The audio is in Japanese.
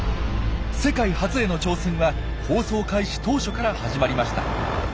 世界初への挑戦は放送開始当初から始まりました。